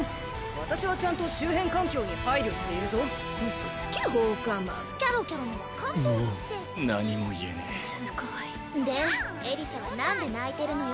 私はちゃんと周辺環境に配慮しているぞウソつけ放火魔何も言えねえすごいでエリサは何で泣いてるのよ